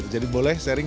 jadi boleh sharing